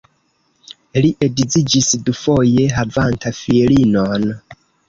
Li edziĝis dufoje, havanta filinon.